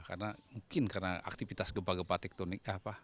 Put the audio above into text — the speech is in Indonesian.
mungkin karena aktivitas gempa gempa tektonik apa